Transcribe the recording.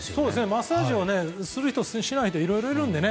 マッサージをする人しない人いろいろいるのでね。